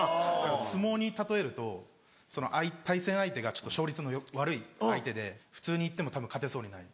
相撲に例えると対戦相手が勝率の悪い相手で普通に行ってもたぶん勝てそうにない。